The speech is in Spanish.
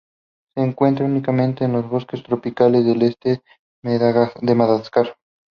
Se encuentra únicamente en los bosques tropicales del este de Madagascar.